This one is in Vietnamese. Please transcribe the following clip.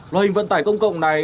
loại hình vận tải công cộng này